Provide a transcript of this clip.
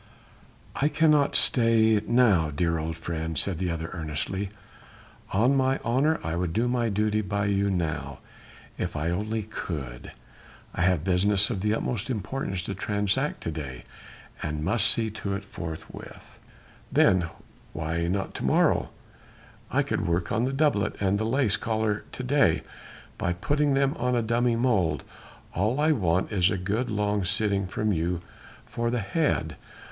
"I cannot stay now, dear old friend," said the other earnestly, "on my honour I would do my duty by you now if I only could. I have business of the utmost importance to transact to day and must see to it forthwith." "Then why not to morrow?... I could work on the doublet and the lace collar to day, by putting them on a dummy model.... All I want is a good long sitting from you for the head....